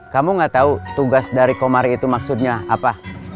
kamu gak tau tugas dari komar itu maksudnya apa